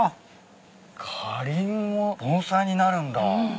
カリンも盆栽になるんだ。